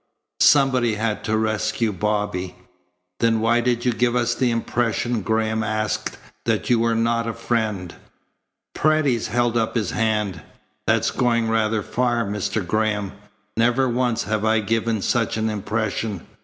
Somebody had to rescue Bobby." "Then why did you give us the impression," Graham asked, "that you were not a friend?" Paredes held up his hand. "That's going rather far, Mr. Graham. Never once have I given such an impression.